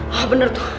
hah bener tuh